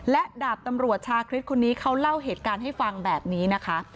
และดาบตำรวจชาคริสคนนี้เขาเล่าเหตุการณ์ให้ฟังแบบนี้นะคะ